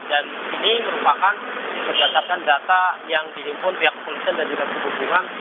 dan ini merupakan percatatan data yang dihubungkan oleh komunisian dan republik jawa terbang